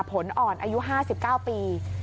อ่อนอายุ๕๙ปี